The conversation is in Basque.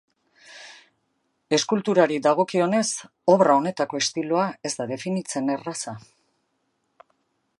Eskulturari dagokionez, obra honetako estiloa ez da definitzen erraza.